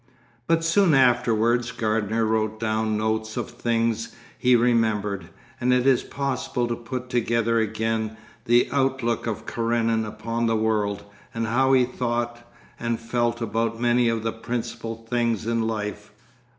But soon afterwards Gardener wrote down notes of things he remembered, and it is possible to put together again the outlook of Karenin upon the world and how he thought and felt about many of the principal things in life.